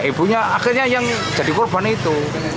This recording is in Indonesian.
ibunya akhirnya yang jadi korban itu